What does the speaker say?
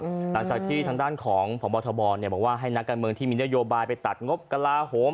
หลังจากที่ทางด้านของพบทบเนี่ยบอกว่าให้นักการเมืองที่มีนโยบายไปตัดงบกระลาโหม